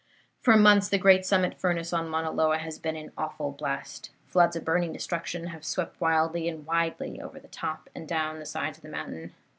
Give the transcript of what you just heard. For months the great summit furnace on Mauna Loa has been in awful blast. Floods of burning destruction have swept wildly and widely over the top and down the sides of the mountain.